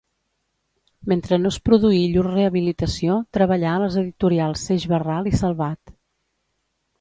Mentre no es produí llur rehabilitació treballà a les editorials Seix Barral i Salvat.